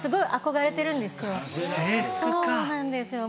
そうなんですよ。